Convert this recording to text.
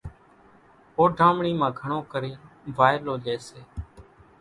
اوڍامڻي مان گھڻون ڪرين وائلو لئي سي۔